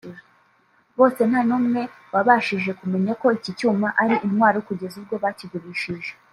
bose nta n’umwe wabashije kumenya ko iki cyuma ari intwaro kugeza ubwo bakigurishije